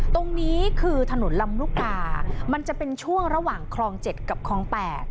ตรงนี้คือถนนลำลูกกามันจะเป็นช่วงระหว่างคลอง๗กับคลอง๘